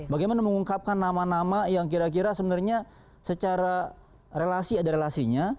bagaimana mengungkapkan nama nama yang kira kira sebenarnya secara relasi ada relasinya